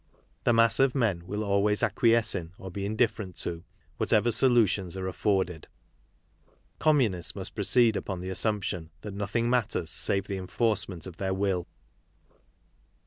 The mass of men will always] acquiesce in, or be indifferent to, whatever solutions arel afforded. Communists must proceed upon the assump tion that nothing matters save the enforcement of their will.